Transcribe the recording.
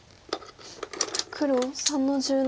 黒３の十七。